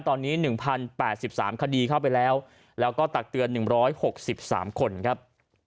ตอนนี้๑๐๘๓คดีเข้าไปแล้วแล้วก็ตักเตือน๑๖๓คนครับ